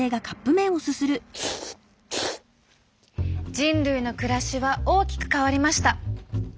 人類の暮らしは大きく変わりました。